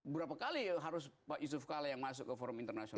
berapa kali harus pak yusuf kala yang masuk ke forum internasional